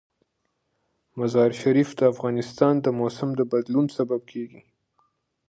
مزارشریف د افغانستان د موسم د بدلون سبب کېږي.